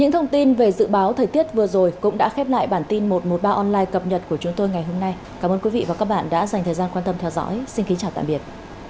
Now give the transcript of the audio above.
hãy đăng ký kênh để nhận thông tin nhất